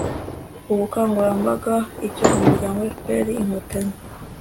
ubukangurambaga icyo umuryango fpr – inkotanyi